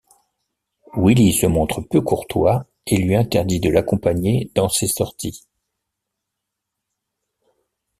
Willie se montre peu courtois et lui interdit de l'accompagner dans ses sorties.